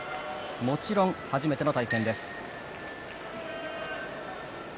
もちろん初めての対戦です。